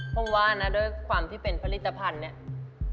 เพราะว่านะด้วยความที่เป็นผลิตภัณฑ์เนี่ย